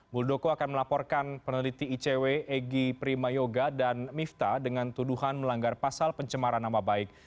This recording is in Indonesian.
muldoko akan melaporkan peneliti icw egy prima yoga dan mifta dengan tuduhan melanggar pasal pencemaran nama baik